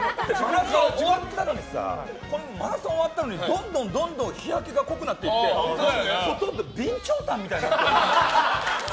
もうマラソン終わったのにどんどん日焼けが濃くなっていってほとんど備長炭みたいになってる。